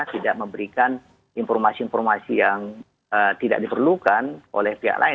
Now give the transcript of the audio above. tidak memberikan informasi informasi yang tidak diperlukan oleh pihak lain